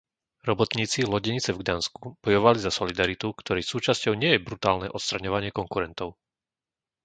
Robotníci lodenice v Gdansku bojovali za solidaritu, ktorej súčasťou nie je brutálne odstraňovanie konkurentov.